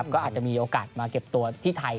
ก็อาจจะมีโอกาสมาเก็บตัวที่ไทย